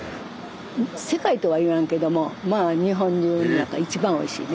世界とは言わんけどもまあ日本中の中一番おいしいね。